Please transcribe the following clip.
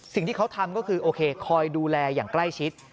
สิ่งที่เขาทำก็คือโอเคคอยดูแลอย่างใกล้ชิด